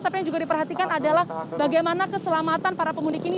tapi yang juga diperhatikan adalah bagaimana keselamatan para pemudik ini